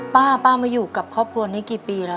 ป้าป้ามาอยู่กับครอบครัวนี้กี่ปีแล้ว